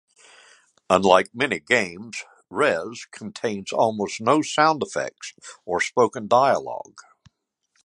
Unlike many games, "Rez" contains almost no sound effects or spoken dialogue.